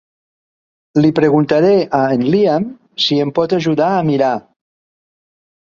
Li preguntaré a en Liam si em pot ajudar a mirar.